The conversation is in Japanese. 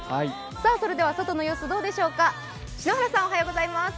それでは外の様子どうでしょうか。